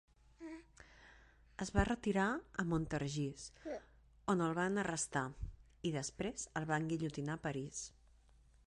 Es va retirar a Montargis, on el van arrestar, i després el van guillotinar a París.